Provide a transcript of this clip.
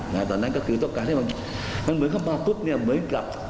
ตอนนั้นก็คือต้องการให้มันมันเหมือนเข้ามาปุ๊บเนี่ยเหมือนกับ